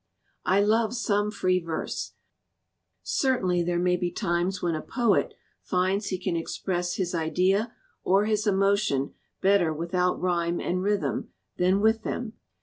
"I love some 'free verse.* Certainly, there may 278 LET POETRY BE FREE be times when a poet finds he can express his idea or his emotion better without rhyme and rhythm than with them.